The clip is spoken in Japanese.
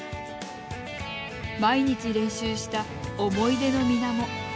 毎日練習した思い出の、みなも。